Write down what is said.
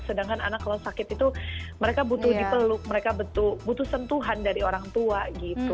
sedangkan anak kalau sakit itu mereka butuh dipeluk mereka butuh sentuhan dari orang tua gitu